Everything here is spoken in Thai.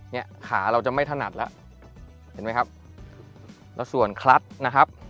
เนี่ยขาเราจะไม่ถนัดแล้วเห็นไหมครับแล้วส่วนคลัดนะครับ